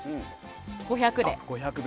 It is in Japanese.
５００で。